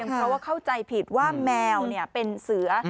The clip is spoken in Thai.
เพราะว่าเข้าใจผิดว่าแมวเป็นเสือ